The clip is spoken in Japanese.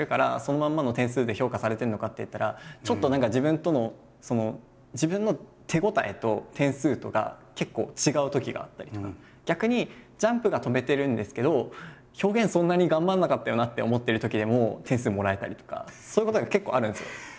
そのまんまの点数で評価されてるのかっていったらちょっと何か自分とのその逆にジャンプが跳べてるんですけど表現そんなに頑張んなかったよなって思ってるときでも点数もらえたりとかそういうことが結構あるんですよ。